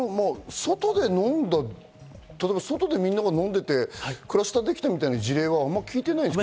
例えば外でみんなが飲んでいて、クラスターできたみたいな事例はあまり聞いてないですよね。